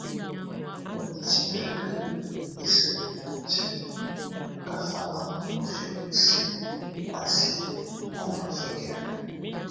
Tu nebitimek hiseli himoti hɛ́ nakafama miɔfɛ busi a si á miɔfɛk mɛ.